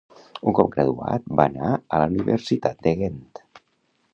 Un cop graduat, va anar a la Universitat de Ghent.